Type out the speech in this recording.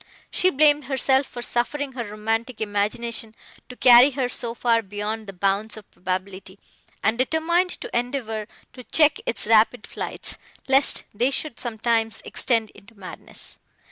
She blamed herself for suffering her romantic imagination to carry her so far beyond the bounds of probability, and determined to endeavour to check its rapid flights, lest they should sometimes extend into madness.